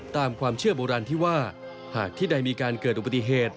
ตามความเชื่อโบราณที่ว่าหากที่ใดมีการเกิดอุบัติเหตุ